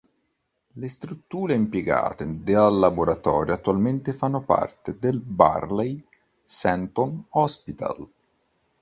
Le strutture impiegate dal laboratorio attualmente fanno parte del Bayley Seton Hospital.